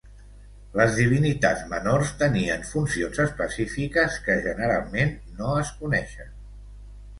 Les divinitats menors tenien funcions específiques que generalment no es coneixen.